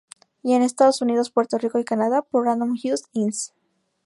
Y en Estados Unidos, Puerto Rico y Canadá, por Random House, Inc.